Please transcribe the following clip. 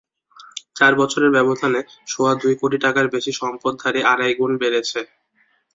চার বছরের ব্যবধানে সোয়া দুই কোটি টাকার বেশি সম্পদধারী আড়াই গুণ বেড়েছে।